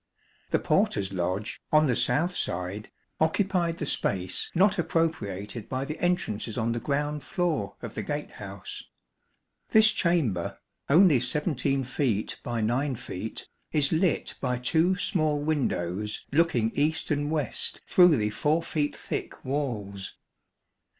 The porter's lodge, on the south side, occupied the space not appropriated by the entrances on the ground floor of the gate house. This chamber, only 17 feet by 9 feet, is lit by two small windows looking east and west through the 4 feet thick walls.